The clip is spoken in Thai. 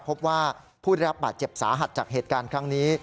พบว่าผู้ได้รับบาดเจ็บสาหัสจากเหตุการณ์ครั้งนี้